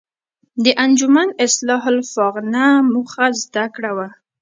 د انجمن اصلاح الافاغنه موخه زده کړه وه.